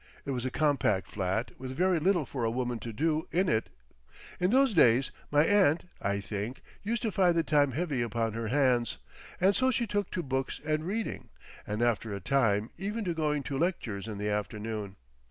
It was a compact flat, with very little for a woman to do in it In those days my aunt, I think, used to find the time heavy upon her hands, and so she took to books and reading, and after a time even to going to lectures in the afternoon.